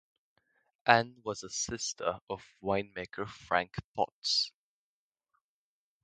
Anne was a sister of winemaker Frank Potts.